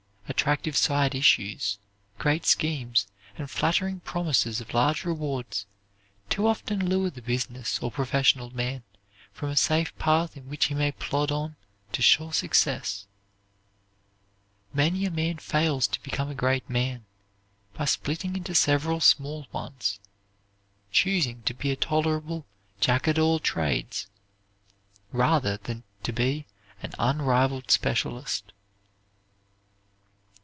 Attractive side issues, great schemes, and flattering promises of large rewards, too often lure the business or professional man from the safe path in which he may plod on to sure success. Many a man fails to become a great man, by splitting into several small ones, choosing to be a tolerable Jack at all trades, rather than to be an unrivalled specialist.